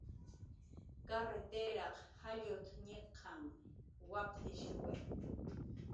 "Karritiraq jallut"" ñiqan waptishiwi"